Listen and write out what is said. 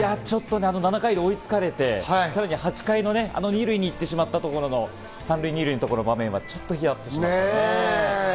７回で追いつかれて、さらに８回のあの２塁に行ってしまったところ、３塁２塁のところの場面はちょっとヒヤッとしました。